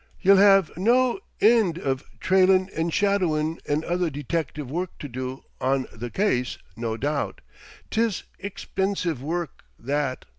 Ye'll have no ind iv trailin' an' shadowin' an' other detective wurrk to do awn th' case, no doubt. 'Tis ixpinsive wurrk, that!